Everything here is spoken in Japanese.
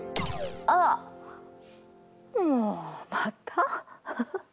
あっもうまた？